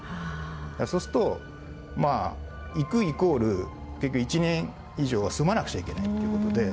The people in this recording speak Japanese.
そうすると行くイコール結局１年以上は住まなくちゃいけないっていう事で。